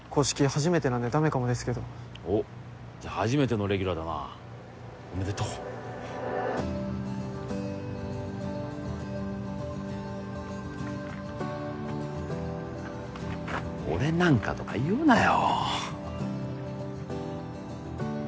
初めてなんでダメかもですけどおっじゃあ初めてのレギュラーだなおめでとう俺なんかとか言うなよ